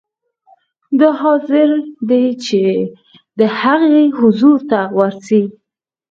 دی حاضر دی چې د هغه حضور ته ورسي.